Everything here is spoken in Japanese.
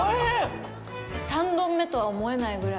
３丼目とは思えないぐらい。